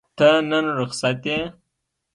ته نن رخصت یې؟